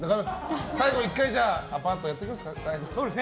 最後に１回アパートやっておきますか？